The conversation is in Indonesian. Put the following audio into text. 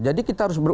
jadi kita harus